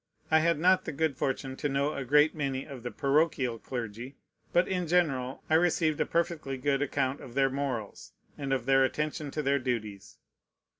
I had not the good fortune to know a great many of the parochial clergy: but in general I received a perfectly good account of their morals, and of their attention to their duties.